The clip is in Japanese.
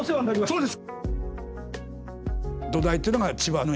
そうです。